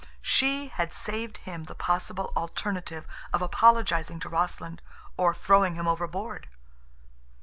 She had saved him the possible alternative of apologizing to Rossland or throwing him overboard!